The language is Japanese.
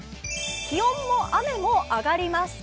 気温も雨も上がります。